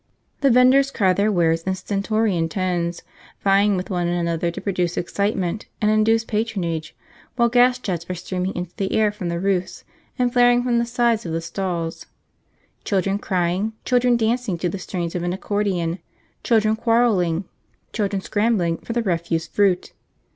The vendors cry their wares in stentorian tones, vying with one another to produce excitement and induce patronage, while gas jets are streaming into the air from the roofs and flaring from the sides of the stalls; children crying, children dancing to the strains of an accordion, children quarrelling, children scrambling for the refuse fruit.